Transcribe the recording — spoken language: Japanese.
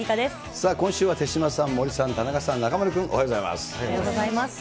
さあ、今週は手嶋さん、森さん、田中さん、中丸君、おはようございます。